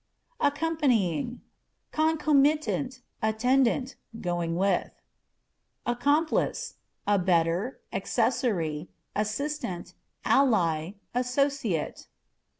Accompanying â€" concomitant, attendant, going with. Accomplice â€" abettor, accessary, assistant, ally, associate.